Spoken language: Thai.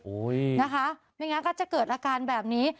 นะคะไม่งั้นก็จะเกิดอาการแบบนี้